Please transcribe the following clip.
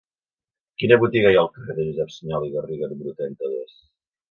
Quina botiga hi ha al carrer de Josep Sunyol i Garriga número trenta-dos?